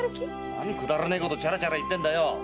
何くだらねえことチャラチャラ言ってんだよ！